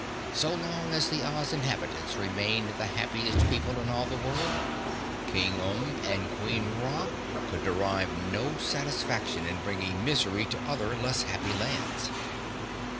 So long as the Oz inhabitants remained the happiest people in all the world, King Umb and Queen Ra could derive no satisfaction in bringing misery to other less happy lands.